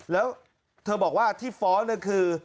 แล้วเธอบอกว่าที่ฟ้องคือ